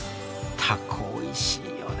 タコおいしいよね。